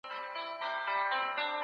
ښارونه وسوځول شول